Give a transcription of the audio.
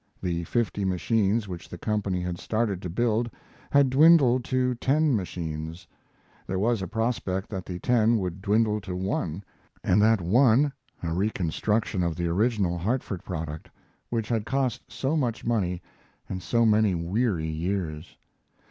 The fifty machines which the company had started to build had dwindled to ten machines; there was a prospect that the ten would dwindle to one, and that one a reconstruction of the original Hartford product, which had cost so much money and so many weary years.